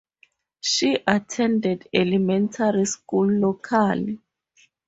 She attended elementary school locally.